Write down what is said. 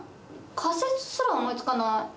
仮説すら思いつかない。